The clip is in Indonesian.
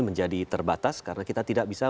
menjadi terbatas karena kita tidak bisa